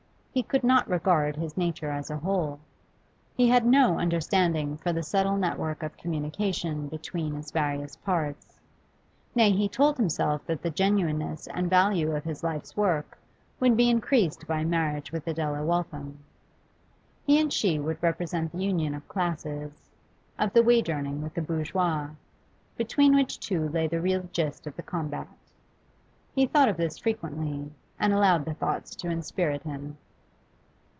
He could not regard his nature as a whole; he had no understanding for the subtle network of communication between its various parts. Nay, he told himself that the genuineness and value of his life's work would be increased by a marriage with Adela Waltham; he and she would represent the union of classes of the wage earning with the bourgeois, between which two lay the real gist of the combat. He thought of this frequently, and allowed the thought to inspirit him.